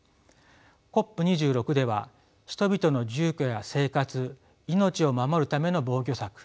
ＣＯＰ２６では人々の住居や生活命を守るための防御策